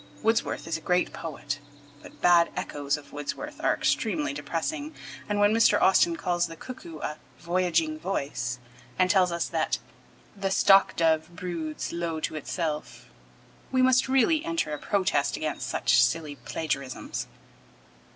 Wordsworth is a great poet, but bad echoes of Wordsworth are extremely depressing, and when Mr. Austin calls the cuckoo a Voyaging voice and tells us that The stockdove broods Low to itself, we must really enter a protest against such silly plagiarisms.